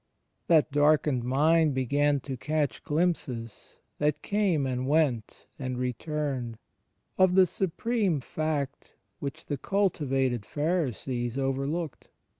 That darkened mind began to catch glimpses, that came and went and returned, of the supreme Fact which the cultivated Pharisees overlooked